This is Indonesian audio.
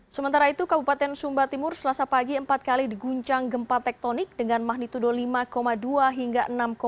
sementara itu kabupaten sumba timur selasa pagi empat kali diguncang gempa tektonik dengan magnitudo lima dua hingga enam tujuh